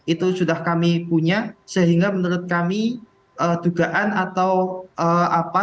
itu sudah kami punya sehingga menurut kami dugaan atau apa